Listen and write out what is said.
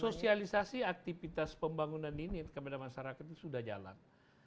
sosialisasi aktivitas pembangunan ini kepada masyarakat itu sudah jalan